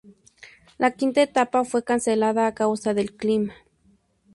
La quinta etapa fue cancelada a causa del clima.